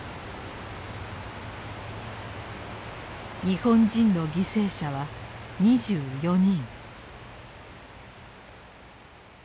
日本人の犠牲者は２４人。